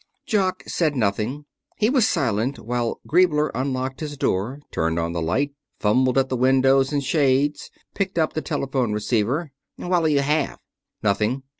Jock said nothing. He was silent while Griebler unlocked his door, turned on the light, fumbled at the windows and shades, picked up the telephone receiver. "What'll you have?" "Nothing."